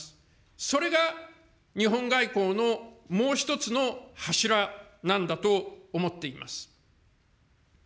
それが日本外交のもう一つの柱なんだと思っています。